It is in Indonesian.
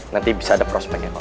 nanti bisa ada prospeknya